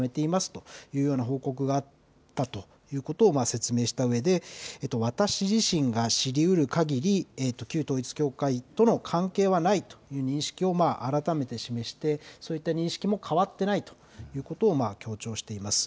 というような報告があったということを説明したうえで私自身が知りうる限り旧統一教会との関係はないという認識を改めて示してそういった認識も変わっていないということを強調しています。